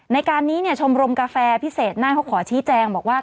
ในการนี้ชมรมกาแฟพิเศษน่านเขาขอชี้แจงบอกว่า